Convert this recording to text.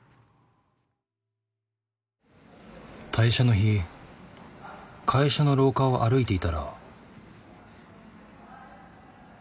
退社の日会社の廊下を歩いていたら。